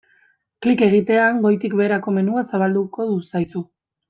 Klik egitean goitik-beherako menua zabalduko zaizu.